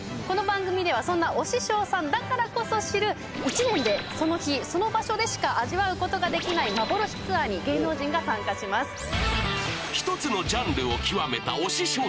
この番組ではそんな推し匠さんだからこそ知る１年でその日その場所でしか味わうことができない幻ツアーに芸能人が参加します。